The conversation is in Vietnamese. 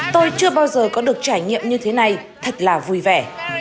tôi chưa bao giờ có được trải nghiệm như thế này thật là vui vẻ